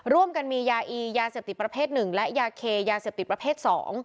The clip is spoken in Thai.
ร่วมกันมียาอียาเสพติดประเภท๑และยาเคยาเสพติดประเภท๒